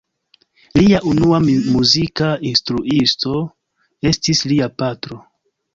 Lia unua muzika instruisto estis lia patro.